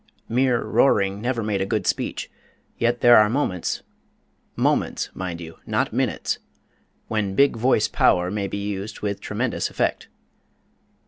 Mere roaring never made a good speech, yet there are moments moments, mind you, not minutes when big voice power may be used with tremendous effect.